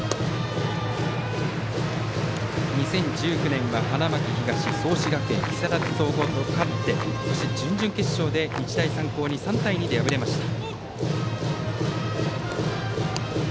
２０１９年は花巻東、創志学園木更津総合と勝って準々決勝で日大三高に３対２で敗れました。